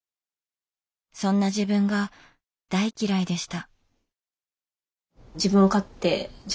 そんな自分が大嫌いでした。